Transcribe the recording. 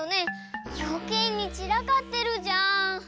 よけいにちらかってるじゃん。